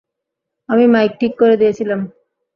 আমি মাইক ঠিক করে দিয়েছিলাম।